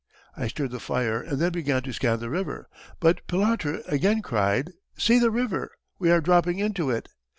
I stirred the fire and then began to scan the river, but Pilatre again cried: "See the river. We are dropping into it!"